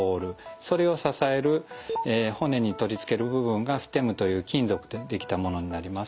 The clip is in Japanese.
それを支える骨に取り付ける部分がステムという金属で出来たものになります。